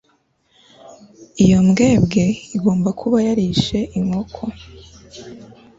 iyo mbwebwe igomba kuba yarishe inkoko